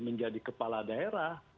menjadi kepala daerah